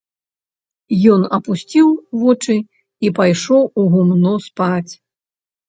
Ён апусціў вочы і пайшоў у гумно спаць.